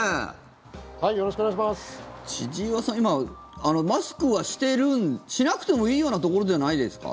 今、マスクはしてるしなくてもいいようなところではないですか？